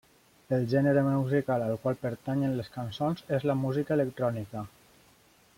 El gènere musical al qual pertanyen les cançons és la música electrònica.